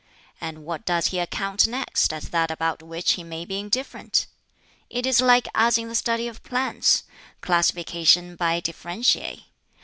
And what does he account next, as that about which he may be indifferent? It is like as in the study of plants classification by differentiae.